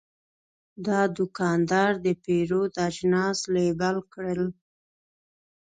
دا دوکاندار د پیرود اجناس لیبل کړل.